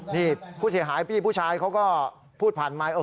นี่ผู้เสียหายพี่ผู้ชายเขาก็พูดผ่านไมค์